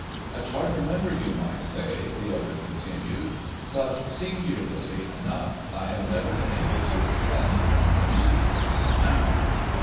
"A charter member, you might say," the other continued; "but singularly enough, I have never been able to attend one of the meetings until now.